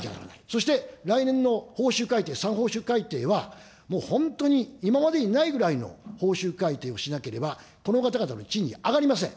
そして来年の報酬改定、３報酬改定は、もう本当に今までにないぐらいの報酬改定をしなければ、この方々の賃金、上がりません。